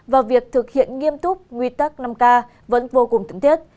và việc thực hiện nghiêm túc nguy tắc năm k vẫn vô cùng tưởng tiết